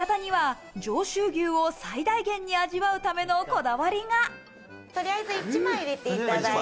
焼き方には上州牛を最大限に味わうためのこだわりが。